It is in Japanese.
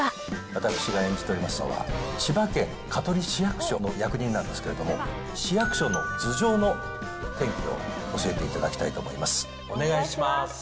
私が演じておりますのは、千葉県香取市役所の役人なんですけれども、市役所の頭上の天気を教えていただきたいと思います。